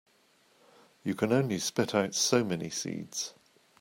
You can only spit out so many seeds.